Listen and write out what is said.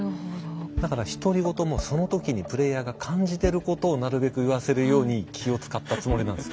だから独り言もその時にプレイヤーが感じてることをなるべく言わせるように気を遣ったつもりなんです。